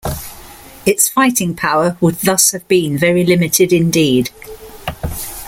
Its fighting power would thus have been very limited indeed.